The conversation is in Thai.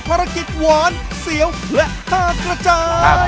ภารกิจหวานเสียวและท่ากระจา